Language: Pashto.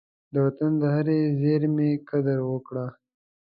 د وطن د هرې زېرمي قدر وکړه.